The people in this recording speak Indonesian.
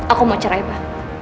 aku mau cerai pa